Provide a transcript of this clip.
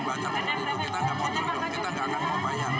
kita tidak mau tunduk kita tidak akan membayar